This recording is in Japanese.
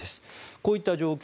こういった状況